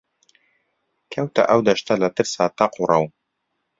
کەوتە ئەو دەشتە لە ترسا تەق و ڕەو